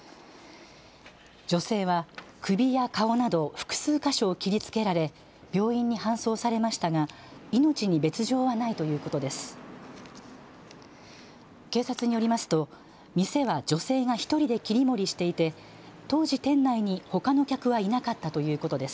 女性は首や顔など複数か所を切りつけられ病院に搬送されましたが命に別状はないということです。